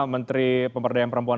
menteri pemberdayaan perempuan